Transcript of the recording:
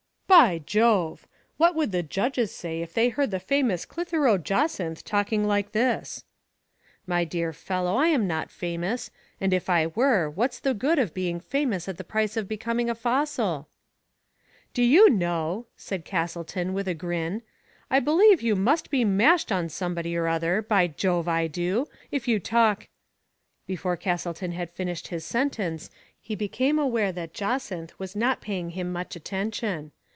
" By Jove ! what would the judges say if they heard the famous CHtheroe Jacynth talking like this?" " My dear fellow, Fm not famous, and if I were, what's the good of being famous at the price of becoming a fossil ?"" Do you know," said Castleton, with a grin, " I believe you must be mashed on somebody or other, by Jove, I do. If you talk " Before Castleton had finished his sentence he became aware that Jacynth was not paying him much attention.